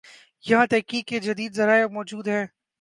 یہاںتحقیق کے جدید ذرائع موجود ہیں۔